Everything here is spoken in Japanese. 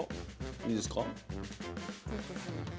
いいですか？